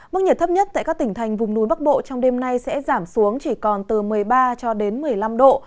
mức nhiệt thấp nhất tại các tỉnh thành vùng núi bắc bộ trong đêm nay sẽ giảm xuống chỉ còn từ một mươi ba cho đến một mươi năm độ